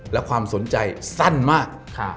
และความสนใจสั้นมาก